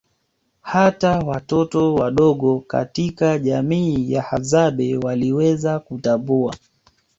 Hata watoto wadogo katika jamii ya hadzabe waliweza kutambua